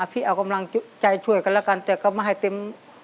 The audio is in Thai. พี่เอากำลังใจช่วยกันแล้วกันแต่ก็มาให้เต็ม